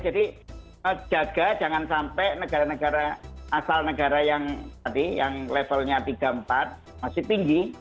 jadi jaga jangan sampai negara negara asal negara yang levelnya tiga empat masih tinggi